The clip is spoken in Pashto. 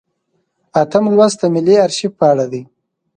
اتم لوست د ملي ارشیف په اړه دی.